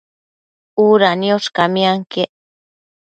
Uda niosh camianquiec